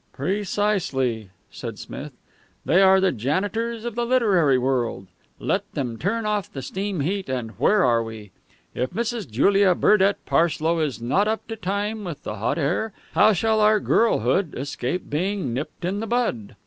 "Precisely," said Smith. "They are the janitors of the literary world. Let them turn off the steam heat, and where are we? If Mrs. Julia Burdett Parslow is not up to time with the hot air, how shall our 'Girlhood' escape being nipped in the bud?"